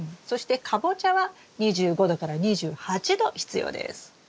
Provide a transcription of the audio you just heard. そしてカボチャは２５℃２８℃必要です。